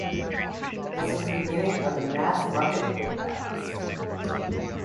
This was the beginning of mass-market paperbacks.